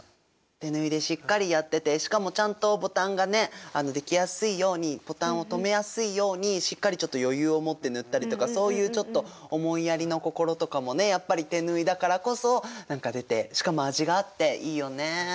手縫いでしっかりやっててしかもちゃんとボタンがねできやすいようにボタンを留めやすいようにしっかりちょっと余裕を持って縫ったりとかそういうちょっと思いやりの心とかもねやっぱり手縫いだからこそ何か出てしかも味があっていいよね。